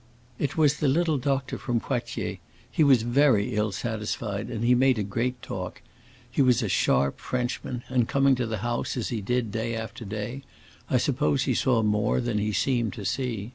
"It was the little doctor from Poitiers. He was very ill satisfied, and he made a great talk. He was a sharp Frenchman, and coming to the house, as he did day after day, I suppose he saw more than he seemed to see.